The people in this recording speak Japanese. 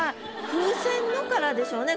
「風船の」からでしょうね